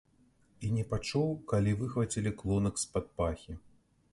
І не пачуў, калі выхвацілі клунак з-пад пахі.